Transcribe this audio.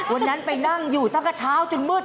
วันนั้นไปนั่งอยู่ตั้งแต่เช้าจนมืด